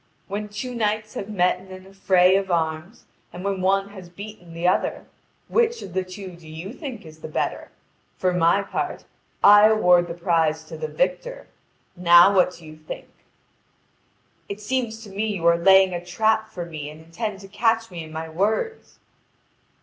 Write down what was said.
When two knights have met in an affray of arms and when one has beaten the other, which of the two do you think is the better? For my part I award the prize to the victor. Now what do you think?" "It seems to me you are laying a trap for me and intend to catch me in my words."